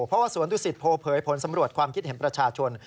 เพราะว่าสวนดุสิตโพเผยผลสำรวจความคิดเห็นประชาชน